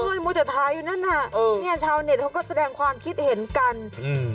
มัวแต่ถ่ายอยู่นั่นน่ะเออเนี้ยชาวเน็ตเขาก็แสดงความคิดเห็นกันอืม